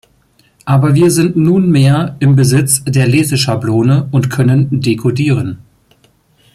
Aber wir sind nunmehr im Besitz der Leseschablone und können dekodieren.